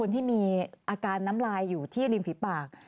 ที่มีอาการน้ำลายอยู่ที่ริมฝีปาก